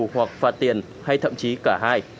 hoặc phạt tiền hay thậm chí cả hai